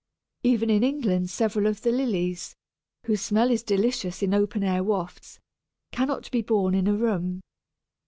Even in England several of the Lilies, whose smell is delicious in open air wafts, cannot be borne in a room.